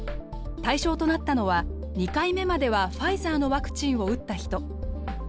対象となったのは２回目まではファイザーのワクチンを打った人。